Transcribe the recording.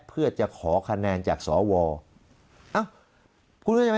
เพื่อจะขอคะแนนจากสอวอร์